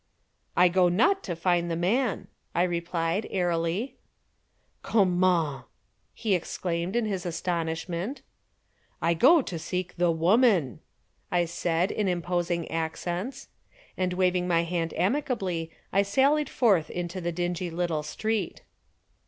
"I go not to find the man," I replied airily. "Comment!" he exclaimed in his astonishment. "I go to seek the woman," I said in imposing accents. And waving my hand amicably I sallied forth into the dingy little street.